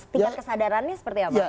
tingkat kesadarannya seperti apa